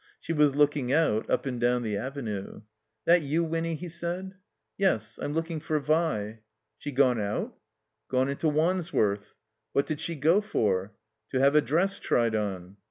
She was looking out, up and down the Avenue. ''That you, Winny?" he said Yes. I'm looking for Vi." She gone out?" Gone into Wandsworth." "What did she go for?" "To have a dress tried on."